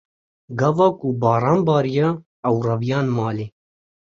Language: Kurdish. Gava ku baran bariya, ew reviyan malê.